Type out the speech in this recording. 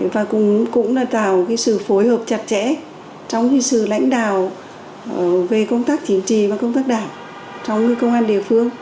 và cũng là tạo sự phối hợp chặt chẽ trong sự lãnh đạo về công tác chính trị và công tác đảng trong công an địa phương